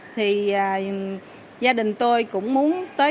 thì gia đình tôi cũng muốn